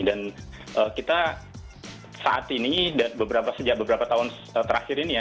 dan kita saat ini sejak beberapa tahun terakhir ini ya